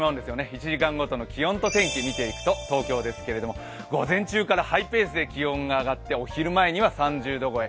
１時間ごとの気温と天気を見ていきますと東京ですけれども、午前中からハイペースで気温が上がって、お昼前には３０度超え。